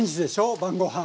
晩ごはん。